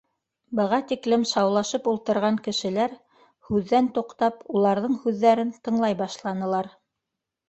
Быға тиклем шаулашып ултырған кешеләр, һүҙҙән туҡтап, уларҙың һүҙҙәрен тыңлай башланылар.